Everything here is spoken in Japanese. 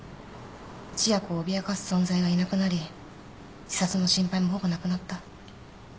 千夜子を脅かす存在がいなくなり自殺の心配もほぼなくなった。